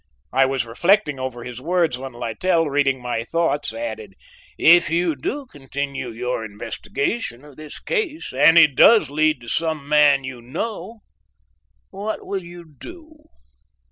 I was reflecting over his words, when Littell, reading my thoughts, added: "If you do continue your investigation of this case, and it does lead to some man you know, what will you do?"